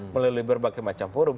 melalui berbagai macam forum